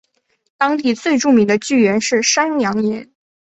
当地最著名的巨岩是山羊岩。